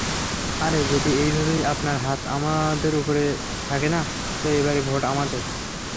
আরে যদি এভাবেই আপনার হাত আমাদের উপরে থাকে না, তো এবারে ভোট আমাদের।